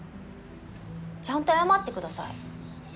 ちゃんと謝ってください。